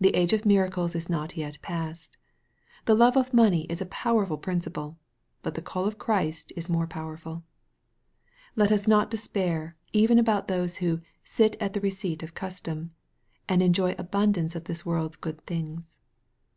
The age of miracles is not yet past. The love of money is a powerful prin ciple, but the call of Christ is more powerful. Let us not despair even about those who " sit at the receipt of custom," and enjoy abundance of this world's good things.